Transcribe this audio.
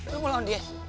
lo mau lawan dia